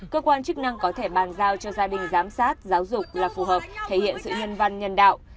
cơ quan chức năng có thể bàn giao cho gia đình giám sát giáo dục là phù hợp thể hiện sự nhân văn nhân đạo